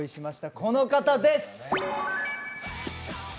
この方です。